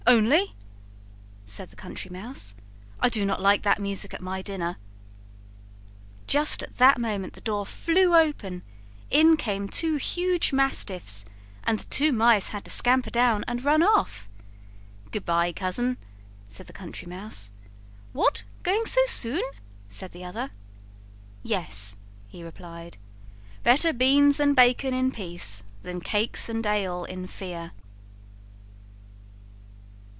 "Only!" said the Country Mouse. "I do not like that music at my dinner." Just at that moment the door flew open, in came two huge mastiffs, and the two mice had to scamper down and run off. "Good by, Cousin," said the Country Mouse. "What! going so soon?" said the other. "Yes," he replied; "BETTER BEANS AND BACON IN PEACE THAN CAKES AND ALE IN FEAR."